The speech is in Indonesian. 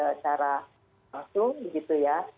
bicara langsung gitu ya